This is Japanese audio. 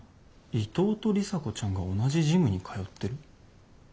伊藤と里紗子ちゃんが同じジムに通ってる？